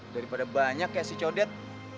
daripada banyak kayak si condet